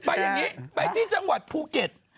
ไปอย่างนี้ไปที่จังหวัดภูเก็ต